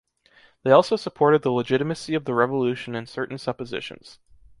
They also supported the legitimacy of the revolution in certain suppositions.